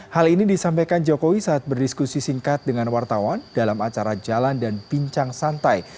hal ini disampaikan jokowi saat berdiskusi singkat dengan wartawan dalam acara jalan dan bincang santai